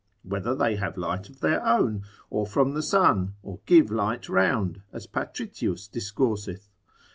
Whether they have light of their own, or from the sun, or give light round, as Patritius discourseth?